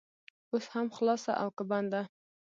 اوس هم خلاصه او که بنده؟